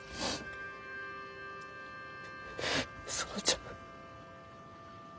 園ちゃん。